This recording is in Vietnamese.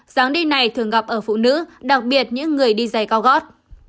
dáng đi này thường gặp ở phụ nữ đặc biệt những người đi dày cao gót